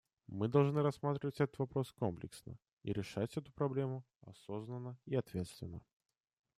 Мы должны рассматривать этот вопрос комплексно и решать эту проблему осознанно и ответственно.